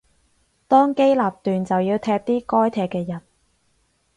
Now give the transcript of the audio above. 當機立斷就要踢啲該踢嘅人